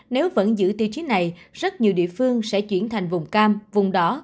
nếu vẫn giữ tiêu chí này rất nhiều địa phương sẽ chuyển thành vùng cam vùng đó